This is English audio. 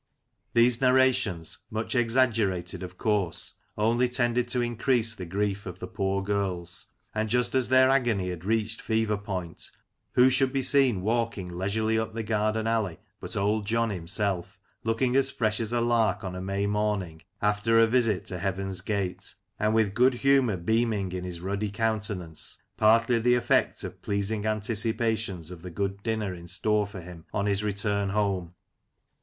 These narrations, much exag gerated of course, only tended to increase the grief of the poor girls ; and just as their agony had reached fever point, who should be seen walking leisurely up the garden alley but Old John himself, looking as fresh as a lark on a May morning after a visit to heaven's gate, and with good humour beaming in his ruddy countenance, partly the effect of pleasing anticipations of the good dinner in store for him on his return home.